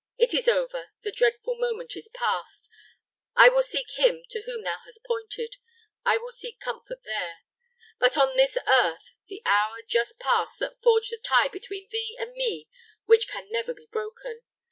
It is over the dreadful moment is past I will seek him to whom thou hast pointed I will seek comfort there. But on this earth, the hour just passed has forged a tie between thee and me which can never be broken.